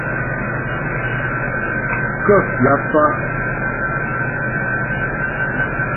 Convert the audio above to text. Kə́ pyáp á.